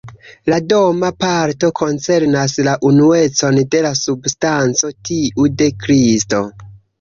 La doma parto koncernas la unuecon de la substanco, tiu de Kristo.